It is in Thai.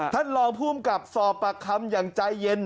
ท่านรองภูมิกับสอบปากคำอย่างใจเย็น